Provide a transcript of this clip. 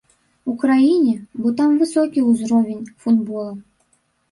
Украіне, бо там высокі ўзровень футбола.